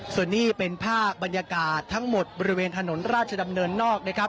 ส่วนนี้เป็นภาพบรรยากาศทั้งหมดบริเวณถนนราชดำเนินนอกนะครับ